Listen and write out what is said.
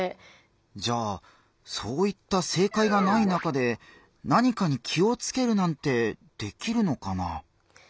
じゃあそういった正解がない中で何かに気をつけるなんてできるのかな？